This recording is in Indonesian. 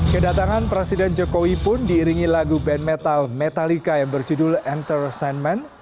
kedatangan presiden jokowi pun diiringi lagu band metal metallica yang berjudul enter sign man